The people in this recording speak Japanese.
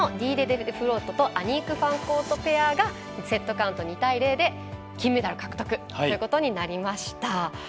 アニーク・ファンコートペアがセットカウント２対０で金メダルということになりました。